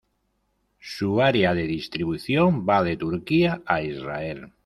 Se área de distribución va de Turquía a Israel.